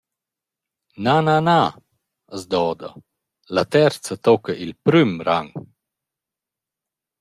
«Na, na, na», as doda, «la terza tocca i’l prüm rang.